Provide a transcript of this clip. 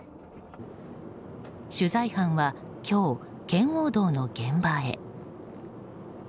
取材班は、今日圏央道の現場へ。